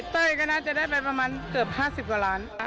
เต้ยก็น่าจะได้ไปประมาณเกือบ๕๐กว่าล้าน